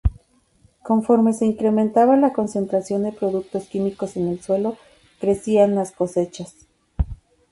Conforme se incrementaba la concentración de productos químicos en el suelo, crecían las cosechas.